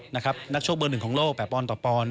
นักโชคเบอร์หนึ่งของโลกแบบปอนต่อปอนด